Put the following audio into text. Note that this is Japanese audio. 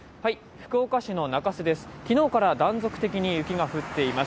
福岡市の中洲です。